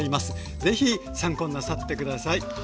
是非参考になさって下さい。